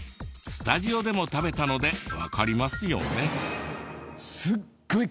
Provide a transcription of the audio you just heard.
スタジオでも食べたのでわかりますよね。